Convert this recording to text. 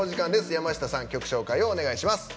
山下さん、曲紹介お願いします。